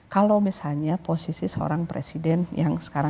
kalau misalnya posisi seorang presiden yang sekarang